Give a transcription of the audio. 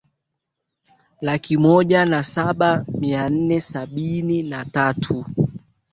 laki moja na saba mia nne sabini na tatu